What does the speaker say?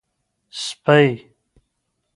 🐕 سپۍ